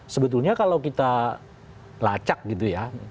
sebetulnya kalau kita lacak gitu ya